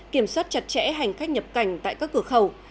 kiểm soát chặt chẽ hành khách nhập cảnh tại các cửa khẩu